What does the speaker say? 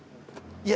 いや。